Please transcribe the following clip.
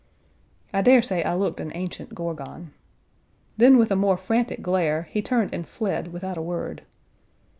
I dare say I looked an ancient Gorgon. Then, with a more frantic glare, he turned and fled without a word.